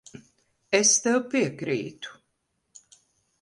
Es tev piekrītu.